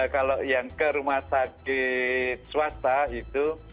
kalau yang ke rumah sakit swasta itu